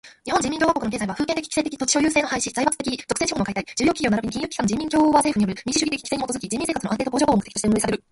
日本人民共和国の経済は封建的寄生的土地所有制の廃止、財閥的独占資本の解体、重要企業ならびに金融機関の人民共和政府による民主主義的規制にもとづき、人民生活の安定と向上とを目的として運営される。